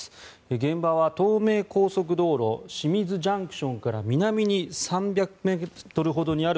現場は東名高速道路清水ＪＣＴから南に３００ｍほどにある